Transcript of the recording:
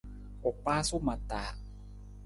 U kpaasu ma taa.